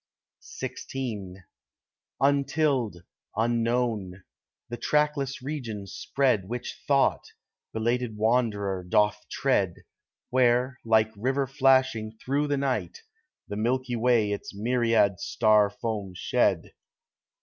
XVI Untilled, unknown, the trackless regions spread Which Thought, belated wanderer, doth tread, Where, like river flashing through the night, The milky way its myriad star foam shed.